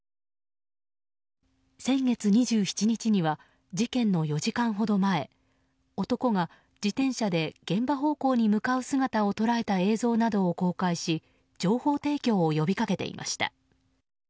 先月２７日には事件の４時間ほど前男が、自転車で現場方向に向かう姿を捉えた映像などを公開し情報提供を呼びかけていました。